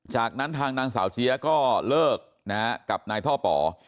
จากนั้นทางนางสาวเจี๊ยก็เลิกกับนายท่อป่อ